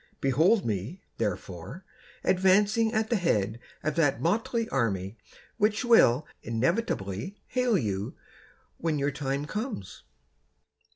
Behold me, therefore, advancing At the head of that motley army Which will inevitably hail you When your time comes.